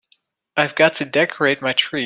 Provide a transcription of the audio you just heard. I've got to decorate my tree.